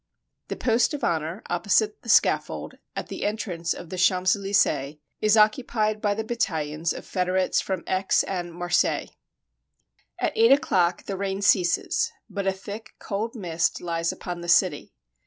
The post of honor, opposite the scaffold, at the en trance of the Champs Elysees, is occupied by the bat talions of federates from Aix and Marseilles. At eight o'clock the rain ceases, but a thick cold mist lies upon the city.